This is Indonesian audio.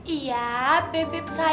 iya beb beb sayang